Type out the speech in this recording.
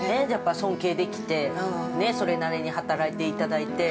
尊敬できて、それなりに働いていただいて。